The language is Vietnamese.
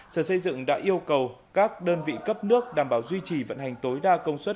sở xây dựng đã yêu cầu các đơn vị cấp nước đảm bảo duy trì vận hành tối đa công suất